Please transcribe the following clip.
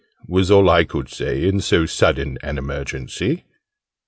was all I could say in so sudden an emergency.